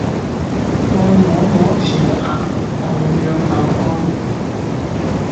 再摸摸前額同樣流汗